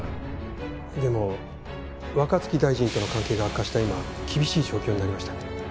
でも若槻大臣との関係が悪化した今厳しい状況になりましたね。